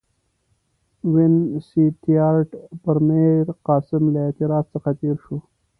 وینسیټیارټ پر میرقاسم له اعتراض څخه تېر شو.